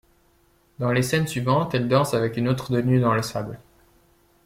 Dans les scènes suivantes, elle danse avec une autre tenue dans le sable.